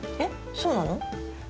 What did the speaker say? そうなの？